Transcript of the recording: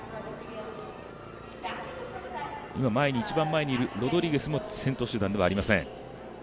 今、一番前にいるロドリゲスも先頭集団ではありません。